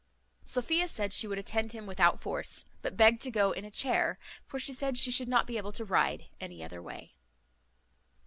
Sophia said she would attend him without force; but begged to go in a chair, for she said she should not be able to ride any other way.